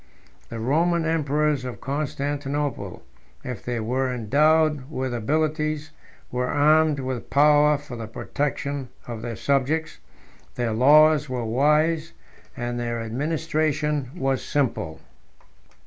The Roman emperors of Constantinople, if they were endowed with abilities, were armed with power for the protection of their subjects: their laws were wise, and their administration was simple.